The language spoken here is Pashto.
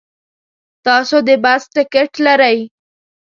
تاسو د بس ټکټ لرئ؟